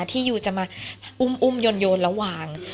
ที่ยูจะมาอุ้มโยนระหว่าง